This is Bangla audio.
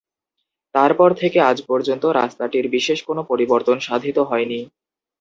তারপর থেকে আজ পর্যন্ত রাস্তাটির বিশেষ কোন পরিবর্তন সাধিত হয়নি।